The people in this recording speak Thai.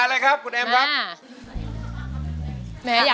หลังจากนี้เธอเล่นให้ตัดสินใจของคุณแอมค่ะว่า